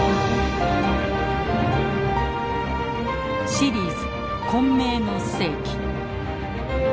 シリーズ「混迷の世紀」。